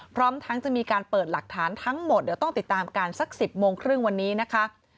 พร้อมทั้งจะมีการเปิดหลักฐานทั้งหมดเดี๋ยวต้องติดตามกันสัก๑๐โมงครึ่งวันนี้นะคะ